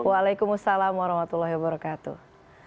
waalaikumsalam warahmatullahi wabarakatuh